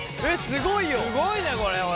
すごいねこれは。